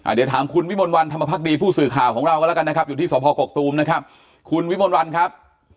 เดี๋ยวถามคุณวิมลวันธรรมพักดีผู้สื่อข่าวของเราก็แล้วกันนะครับอยู่ที่สพกกตูมนะครับคุณวิมลวันครับ